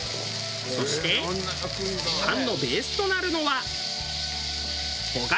そして餡のベースとなるのは。